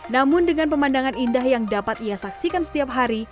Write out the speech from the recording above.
namun dengan pemandangan indah yang dapat ia saksikan setiap hari